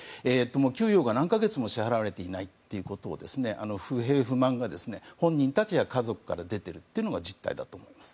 給与が何か月も支払われていないという不平不満が本人たちや家族から出ているのが実態だと思います。